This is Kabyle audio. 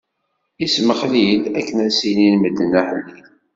Ismexlil akken ad s-inin medden: aḥlil!